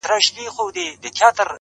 پښتون ماحول د ځان په هكله څه ويلاى نسم.!